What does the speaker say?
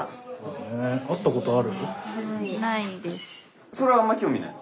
え会ったことある？